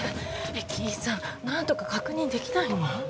駅員さん何とか確認できないの？